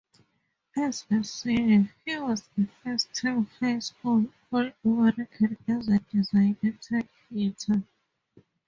As a senior, he was a first-team High School All-American as a designated hitter.